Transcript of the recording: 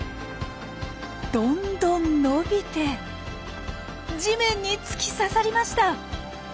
どんどん伸びて地面に突き刺さりました！